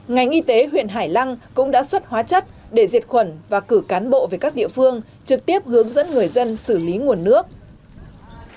ngành y tế huyện hải lăng cũng đã xuất hóa chất để diệt khuẩn và cử cán bộ về các địa phương trực tiếp hướng dẫn người dân xử lý nguồn nước